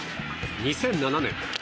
２００７年